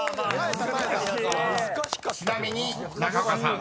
［ちなみに中岡さん］